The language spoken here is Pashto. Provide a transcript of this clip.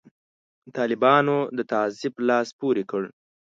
طالبانو د تعذیب لاس پورې کړ.